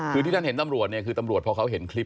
คือที่ท่านเห็นตำรวจเนี่ยคือตำรวจพอเขาเห็นคลิป